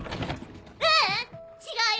ううん違うよ！